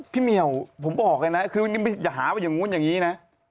พี่เมียวผมบอกไงนะคืออย่าหาว่าอย่างนู้นอย่างนี้นะ